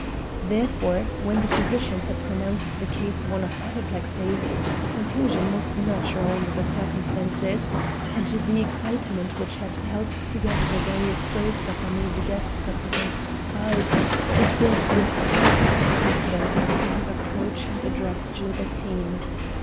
Therefore when the physicians had pronounced the case one of apoplexy (a conclusion most natural under the circumstances), and the excitement which had held together the various groups of uneasy guests had begun to subside, it was with perfect confidence I saw him approach and address Gilbertine.